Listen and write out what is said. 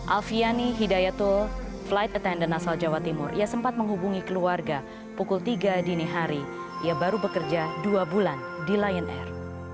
alfiani hidayatul flight attendant asal jawa timur ia sempat menghubungi keluarga pukul tiga dini hari ia baru bekerja dua bulan di lion air